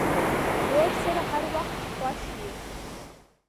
ورور سره هر وخت خوښ یې.